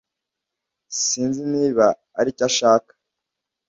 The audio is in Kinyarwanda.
Sinzi niba aricyo ashaka.